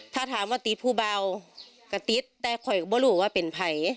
ถ้าถามว่าติดผู้เบาก็ติ๊ดแต่ค่อยว่ารู้ว่าเป็นภัย